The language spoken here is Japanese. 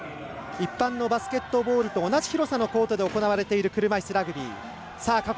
一般のバスケットボールと同じ広さのコートで行われている車いすラグビー。